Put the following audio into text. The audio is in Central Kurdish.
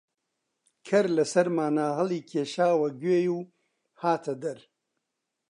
کەر لە سەرمانا هەڵیکێشاوە گوێی و هاتە دەر